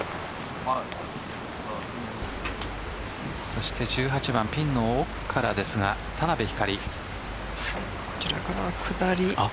そして１８番ピンの奥からですが田辺ひかり。